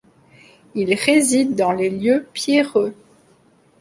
Il réside dans les lieux pierreux.